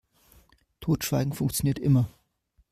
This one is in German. Totschweigen funktioniert immer.